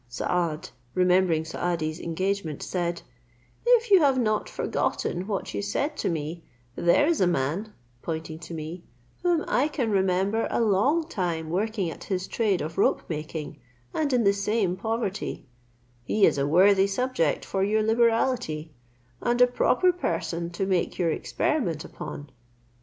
Saad, remembering Saadi's engagement, said, "If you have not forgotten what you said to me, there is a man," pointing to me, "whom I can remember a long time working at his trade of rope making, and in the same poverty: he is a worthy subject for your liberality, and a proper person to make your experiment upon."